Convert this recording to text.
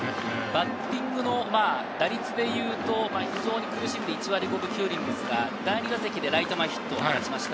バッティングの打率でいうと苦しんで１割５分９厘ですが、第２打席でライト前ヒットを放ちました。